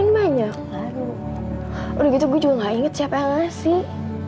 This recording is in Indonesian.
saya masih masih